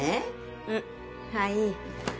うんはいい